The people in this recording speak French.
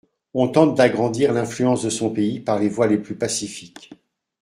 On tente d'agrandir l'influence de son pays par les voies les plus pacifiques.